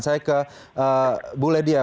saya ke bu ledia